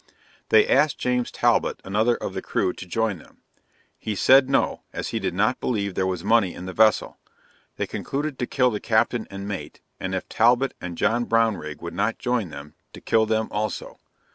They asked James Talbot, another of the crew, to join them. He said no, as he did not believe there was money in the vessel. They concluded to kill the captain and mate, and if Talbot and John Brownrigg would not join them, to kill them also.